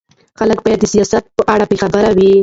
خلک باید د سیاست په اړه باخبره وي